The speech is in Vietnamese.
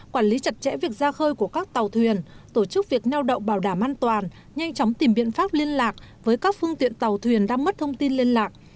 quản lý chặt chẽ việc ra khơi của các tàu thuyền tổ chức việc neo đậu bảo đảm an toàn nhanh chóng tìm biện pháp liên lạc với các phương tiện tàu thuyền đang mất thông tin liên lạc